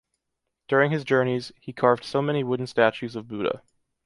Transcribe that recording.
During his journeys, he carved so many wooden statues of Buddha.